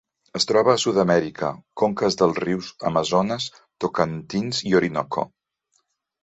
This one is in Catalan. Es troba a Sud-amèrica: conques dels rius Amazones, Tocantins i Orinoco.